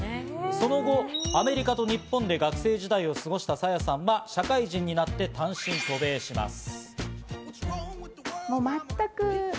その後、アメリカと日本で学生時代を過ごしたＳａｙａさんは社会人になって単身渡米します。